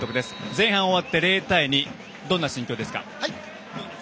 前半が終わって０対２どんな心境ですか。